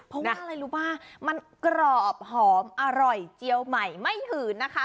เพราะว่าอะไรรู้ป่ะมันกรอบหอมอร่อยเจียวใหม่ไม่หืนนะคะ